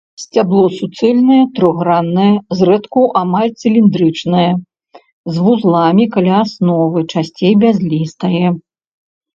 Сцябло суцэльнае, трохграннае, зрэдку амаль цыліндрычнае з вузламі каля асновы, часцей бязлістае.